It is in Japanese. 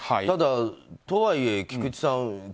ただ、とはいえ、菊池さん。